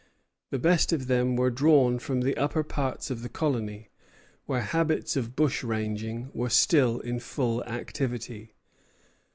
The best of them were drawn from the upper parts of the colony, where habits of bushranging were still in full activity.